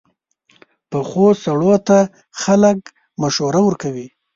پخو سړو ته خلک مشوره کوي